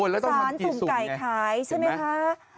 แล้วต้องทำกี่ซุ่มไงวิสานซุ่มไก่ขายใช่ไหมคะ